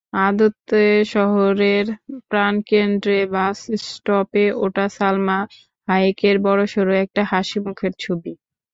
আদতে শহরের প্রাণকেন্দ্রে বাসস্টপে ওটা সালমা হায়েকের বড়সড় একটা হাসিমুখের ছবি।